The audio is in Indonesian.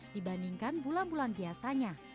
dibandingkan bulan bulan biasanya